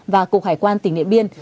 và cục hải quan tỉnh điện biên